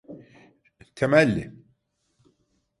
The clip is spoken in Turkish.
Temelli…